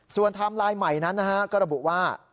ไทม์ไลน์ใหม่นั้นนะฮะก็ระบุว่า